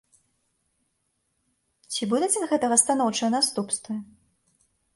Ці будуць ад гэтага станоўчыя наступствы?